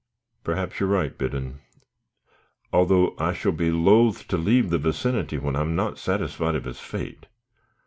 "Perhaps you are right, Biddon, although I shall be loth to leave the vicinity when I am not satisfied of his fate."